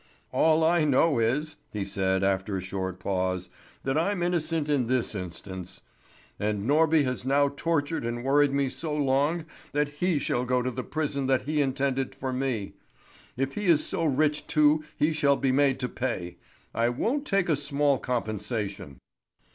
"All I know is," he said after a short pause, "that I'm innocent in this instance. And Norby has now tortured and worried me so long that he shall go to the prison that he intended for me. If he is so rich too he shall be made to pay. I won't take a small compensation."